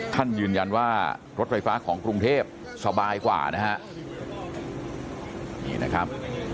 ท่านยืนยันว่ารถไฟฟ้าของกรุงเทพสบายกว่านะฮะนี่นะครับ